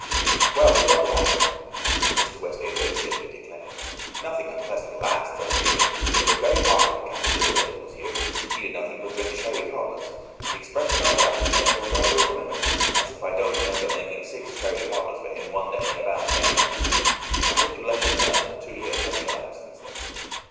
"Well, it won't last," Mr. Westgate very cheerfully declared; "nothing unpleasant lasts over here. It was very hot when Captain Littledale was here; he did nothing but drink sherry cobblers. He expressed some doubt in his letter whether I will remember him as if I didn't remember making six sherry cobblers for him one day in about twenty minutes. I hope you left him well, two years having elapsed since then."